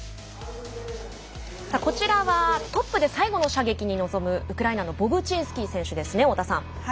こちらはトップで最後の射撃に臨むウクライナのボブチンスキー選手ですね太田さん。